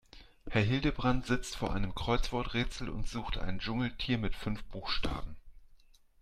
Herr Hildebrand sitzt vor einem Kreuzworträtsel und sucht ein Dschungeltier mit fünf Buchstaben.